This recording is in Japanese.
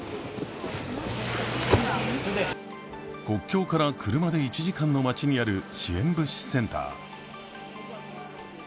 国境から車で１時間の町にある支援物資センター。